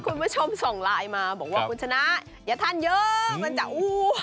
คุณผู้ชมส่งไลน์มาบอกว่าคุณชนะอย่าทานเยอะมันจะอู้